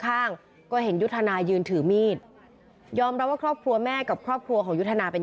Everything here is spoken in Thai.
ข้างก็เห็นยุทธนายืนถือมีดยอมรับว่าครอบครัวแม่กับครอบครัวของยุทธนาเป็น